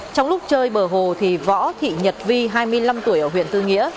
trong lúc chơi bờ hồ thì võ thị nhật vi hai mươi năm tuổi ở huyện tư nghĩa